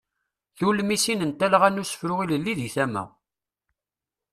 Tulmisin n talɣa n usefru ilelli deg tama.